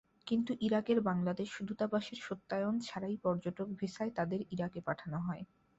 কিন্তু ইরাকের বাংলাদেশ দূতাবাসের সত্যায়ন ছাড়াই পর্যটক ভিসায় তাঁদের ইরাকে পাঠানো হয়।